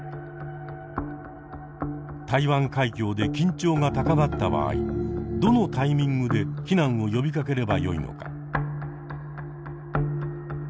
台湾海峡で緊張が高まった場合どのタイミングで避難を呼びかければよいのか。